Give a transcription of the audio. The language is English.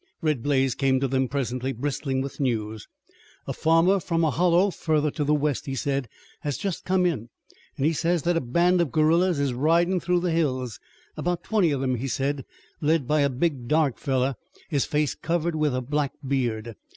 Red Blaze came to them presently, bristling with news. "A farmer from a hollow further to the west," he said, "has just come in, an' he says that a band of guerillas is ridin' through the hills. 'Bout twenty of them, he said, led by a big dark fellow, his face covered with black beard.